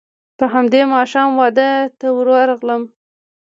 په همدې ماښام واده ته ورغلم.